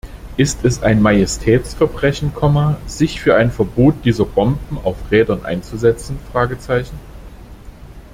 Ist es ein Majestätsverbrechen, sich für ein Verbot dieser Bomben auf Rädern einzusetzen?